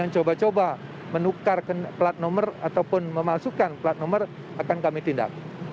coba coba menukar plat nomor ataupun memasukkan plat nomor akan kami tindak